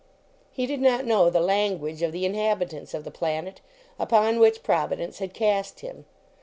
He did not know the language of the in habitants of the planet upon which Providence had cast him.